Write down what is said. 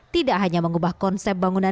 tidak hanya mengubah konsep bangunan